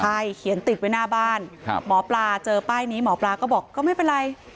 ใช่เขียนติดไว้หน้าบ้านหมอปลาเจอป้ายนี้หมอปลาก็บอกก็ไม่เป็นไร